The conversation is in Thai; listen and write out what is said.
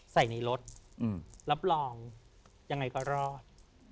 ใส่ในรถรับรองยังไงก็รอด